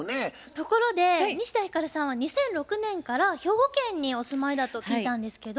ところで西田ひかるさんは２００６年から兵庫県にお住まいだと聞いたんですけど。